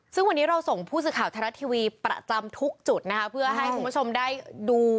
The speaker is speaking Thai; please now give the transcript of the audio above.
ซึ่งวันนี้เราส่งผู้สื่อข่าวไทยรัฐทีวีประจำทุกจุดนะคะเพื่อให้คุณผู้ชมได้ดู